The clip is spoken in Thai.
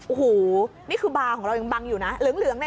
โอ้โหนี่คือบาร์ของเรายังบังอยู่นะเหลืองเนี่ย